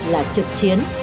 là trực chiến